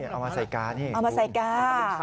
เอามาใส่กานี่เอามาใส่กา